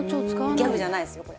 ギャグじゃないですよこれ。